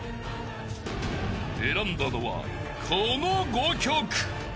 ［選んだのはこの５曲］